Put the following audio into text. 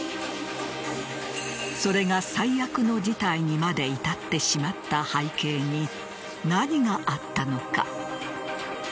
それが最悪の事態にまで至ってしまった背景に何があったのか。